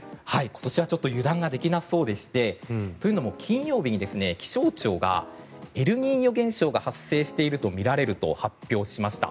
今年はちょっと油断ができなそうでしてというのも金曜日に気象庁がエルニーニョ現象が発生しているとみられると発表しました。